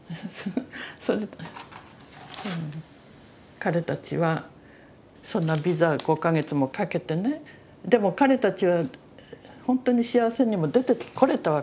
彼たちはそんなビザ５か月もかけてねでも彼たちはほんとに幸せにも出てこれたわけですよ。